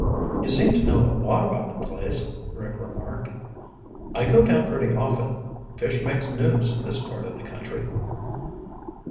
"You seem to know a lot about the place," Rick remarked. "I go down pretty often. Fish makes news in this part of the country."